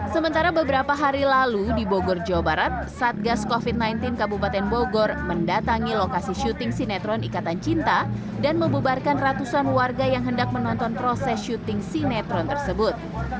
sementara beberapa hari lalu di bogor jawa barat satgas covid sembilan belas kabupaten bogor mendatangi lokasi syuting sinetron ikatan cinta dan membubarkan ratusan warga yang hendak menonton proses syuting sinetron tersebut